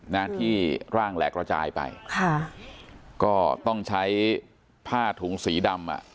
นะที่ร่างแหลกระจายไปค่ะก็ต้องใช้ผ้าถุงสีดำอ่ะ